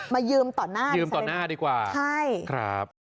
มายืมต่อหน้าดีกว่าใช่ไหมครับยืมต่อหน้าดีกว่า